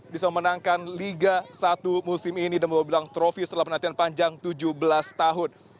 bisa memenangkan liga satu musim ini dan membawa belang trofi setelah penantian panjang tujuh belas tahun